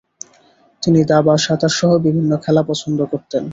তিনি দাবা, সাঁতার সহ বিভিন্ন খেলা পছন্দ করতেন।